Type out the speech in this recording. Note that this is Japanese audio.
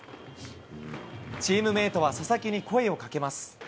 チームメートは佐々木に声をかけます。